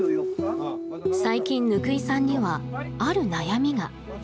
最近、貫井さんにはある悩みが。